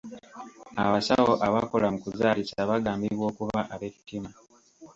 Abasawo abakola mu kuzaalisa bagambibwa okuba ab'ettima.